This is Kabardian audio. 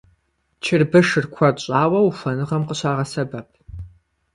Чырбышыр куэд щӀауэ ухуэныгъэхэм къыщагъэсэбэп.